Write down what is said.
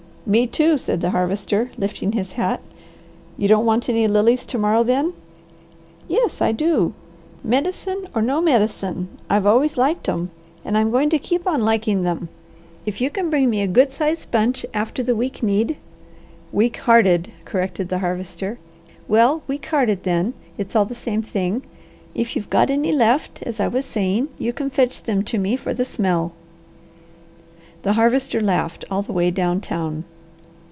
"Me too!" said the Harvester, lifting his hat. "You don't want any lilies to morrow, then?" "Yes I do. Medicine or no medicine, I've always liked 'em, and I'm going to keep on liking them. If you can bring me a good sized bunch after the weak kneed " "Weak hearted," corrected the Harvester. "Well 'weak hearted,' then; it's all the same thing. If you've got any left, as I was saying, you can fetch them to me for the smell." The Harvester laughed all the way down town.